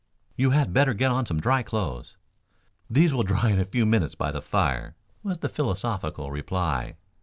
"You had better get on some dry clothes." "These will dry in a few minutes by the fire," was the philosophical reply.